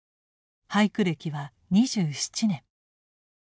俳句歴は２７年。